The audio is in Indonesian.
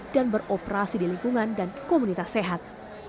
dan beroperasi di lingkungan dan komunitas sehat